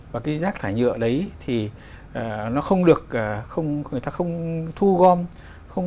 và cái rác thải nhựa đấy thì người ta không thu gom không được tái chế về nhiệm vụ trường